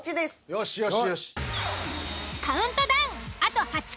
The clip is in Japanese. よしよしよし。